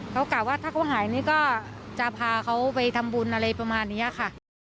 เขากล่าวว่าถ้าเขาหายนี่ก็จะพาเขาไปทำบุญอะไรประมาณนี้ค่ะ